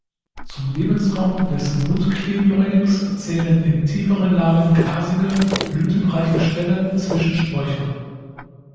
Zum Lebensraum des Wundklee-Bläulings zählen in tieferen Lagen grasige, blütenreiche Stellen zwischen Sträuchern.